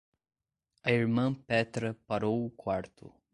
A irmã Petra parou o quarto.